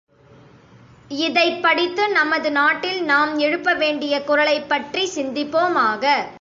இதைப் படித்து நமது நாட்டில் நாம் எழுப்பவேண்டிய குரலைப்பற்றி சிந்திப்போமாக.